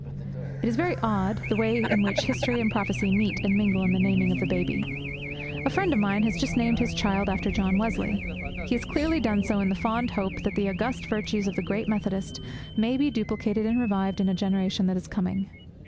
It is very odd, the way in which history and prophecy meet and mingle in the naming of the baby. A friend of mine has just named his child after John Wesley. He has clearly done so in the fond hope that the august virtues of the great Methodist may be duplicated and revived in a generation that is coming.